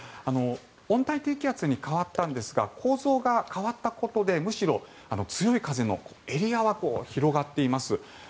温帯低気圧に変わったんですが構造が変わったことでむしろ強い風のエリアは広がっています。